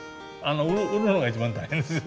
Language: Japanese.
売るのが一番大変ですよ